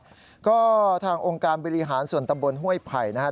ถูกก็ทางองค์การบิริฐานสนทบลห้วยไผ่นะครับ